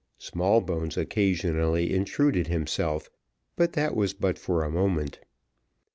Smallbones occasionally intruded himself, but that was but for a moment.